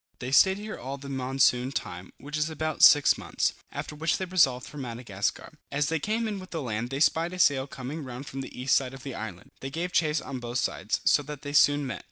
They stayed here all the monsoon time, which is about six months; after which they resolved for Madagascar. As they came in with the land, they spied a sail coming round from the east side of the island. They gave chase on both sides, so that they soon met.